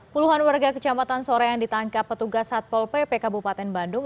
puluhan warga kecamatan soreang ditangkap petugas satpol pp kabupaten bandung